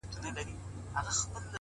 پوهه د انتخابونو دروازې زیاتوي،